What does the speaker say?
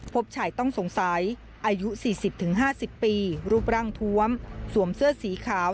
พบชายต้องสงสัยอายุ๔๐๕๐ปีรูปร่างทวมสวมเสื้อสีขาว